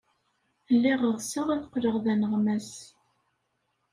Lliɣ ɣseɣ ad qqleɣ d aneɣmas.